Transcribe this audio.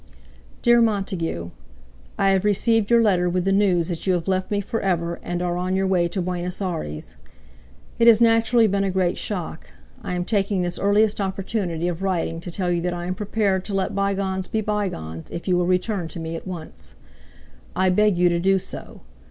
"DEAR MONTAGUE, "I have received your letter with the news that you have left me for ever and are on your way to Buenos Aires. It has naturally been a great shock. I am taking this earliest opportunity of writing to tell you that I am prepared to let bygones be bygones if you will return to me at once. I beg you to do so.